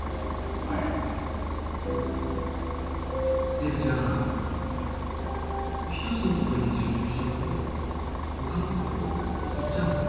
えるちゃん１つのことに集中しちゃうとほかのこと忘れちゃうの？